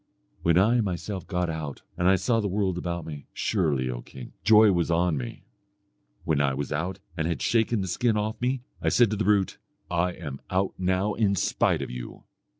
When I myself got out, and I saw the world about me, surely, O king! joy was on me. When I was out and had shaken the skin off me, I said to the brute, 'I am out now in spite of you.'